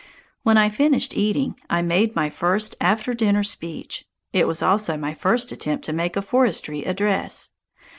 When I finished eating, I made my first after dinner speech; it was also my first attempt to make a forestry address.